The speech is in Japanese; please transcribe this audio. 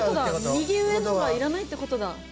右上のがいらないってことだ。